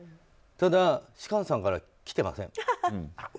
ただ、芝翫さんから来てません。